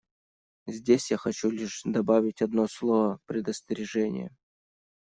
Здесь я хочу лишь добавить одно слово предостережения.